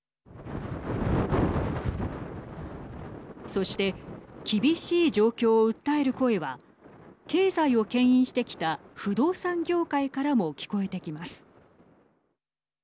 そして厳しい状況を訴える声は経済をけん引してきた不動産業界からも聞こえてきます。